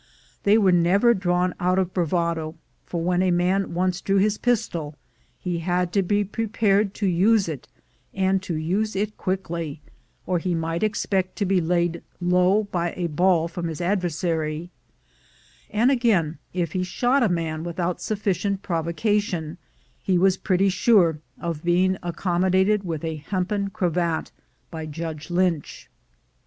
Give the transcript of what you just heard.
They were never drawn out of bravado, for when a man once drew his pistol, he had to be prepared to use it, and to use it quickly, or he might expect to be laid low by a ball from his adversary; and again, if he shot a man without sufScient provocation, he was pretty sure of being accommodated with a hempen cravat by Judge Lynch.